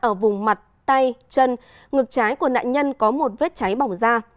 ở vùng mặt tay chân ngực trái của nạn nhân có một vết cháy bỏng ra